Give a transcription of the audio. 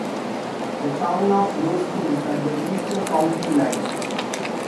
The Town of Roseboom is at the eastern county line.